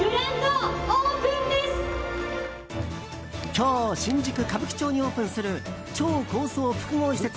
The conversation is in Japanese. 今日、新宿・歌舞伎町にオープンする超高層複合施設